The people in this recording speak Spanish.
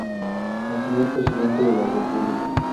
Al señor presidente de la república.